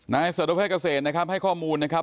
นายเสดอภัยเกษตรนะครับให้ข้อมูลนะครับ